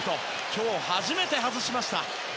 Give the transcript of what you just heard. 今日初めて外しました。